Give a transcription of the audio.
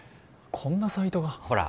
こんなサイトがほら